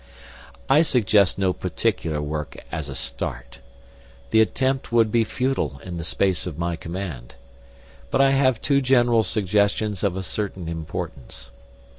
I suggest no particular work as a start. The attempt would be futile in the space of my command. But I have two general suggestions of a certain importance.